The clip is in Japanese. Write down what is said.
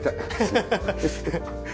ハハハハ。